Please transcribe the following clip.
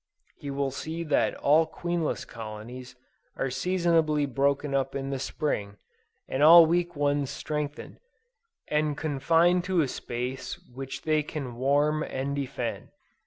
He will see that all queenless colonies are seasonably broken up in the Spring, and all weak ones strengthened, and confined to a space which they can warm and defend.